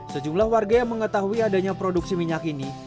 sejumlah warga yang mengetahui adanya produksi minyak ini